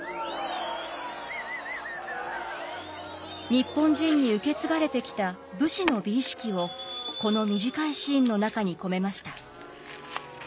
日本人に受け継がれてきた武士の美意識をこの短いシーンの中に込めました。